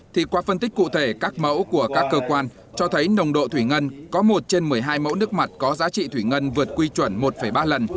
thì qua phân tích cụ thể các mẫu của các cơ quan cho thấy nồng độ thủy ngân có một trên một mươi hai mẫu nước mặt có giá trị thủy ngân vượt quy chuẩn một ba lần